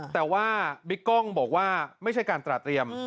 แต่ว่าบิ๊กกล้องบอกว่าไม่ใช่การตราเตรียม